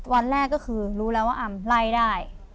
วันแรกก็คือรู้แล้วว่าอำไล่ได้